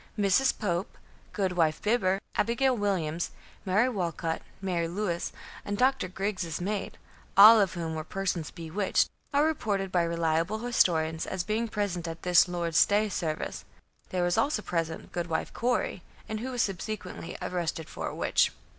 Mrs. Pope, Goodwife Bibber, Abigail Williams, Mary Walcut, Mary Lewes and Doctor Grigg's maid, all of whom were persons bewitched, are reported by reliable historians as being present at this "Lord's Day service." There was also present Goodwife Corey, who was subsequently arrested for a witch.